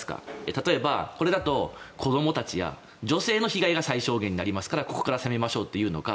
例えば、これだと子どもたちや女性の被害が最小限になりますからここから攻めましょうというのか